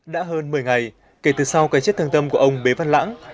đã hơn một mươi ngày kể từ sau cái chết thương tâm của ông bế văn lãng